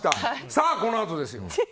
さあ、このあとですよ。